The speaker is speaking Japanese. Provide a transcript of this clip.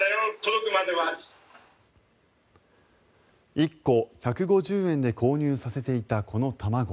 １個１５０円で購入させていたこの卵。